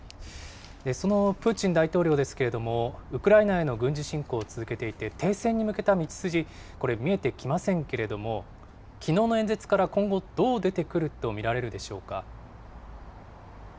そのプーチン大統領ですけれども、ウクライナへの軍事侵攻を続けていて、停戦に向けた道筋、これ見えてきませんけれども、きのうの演説から、今後どう出てくると見られるでしょうか。